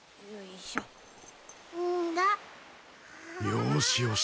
よーしよし。